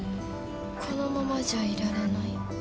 このままじゃいられない？